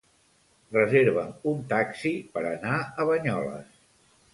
Reserva'm un taxi per anar a Banyoles.